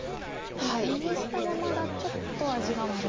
右下はまだちょっと味が悪い。